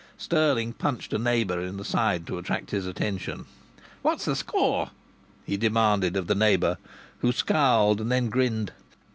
Stirling punched a neighbour in the side to attract his attention. "What's the score?" he demanded of the neighbour, who scowled and then grinned.